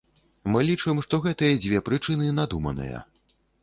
Мы лічым, што гэтыя дзве прычыны надуманыя.